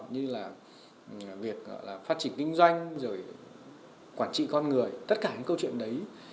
như là việc phát triển kinh doanh rồi quản trị con người tất cả những câu chuyện đấy